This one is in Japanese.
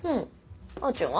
あーちんは？